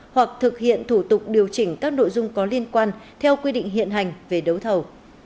hoặc thực hiện thủ tục điều chỉnh các nội dung có liên quan theo quy định hiện hành về đấu thầu